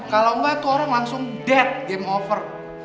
kalau enggak tuh orang langsung dead game over